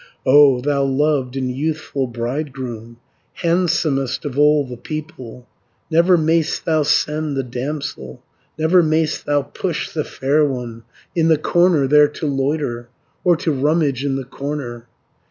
"O thou loved and youthful bridegroom, Handsomest of all the people, Never may'st thou send the damsel, Never may'st thou push the fair one In the corner there to loiter, Or to rummage in the corner.